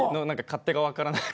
勝手が分からない？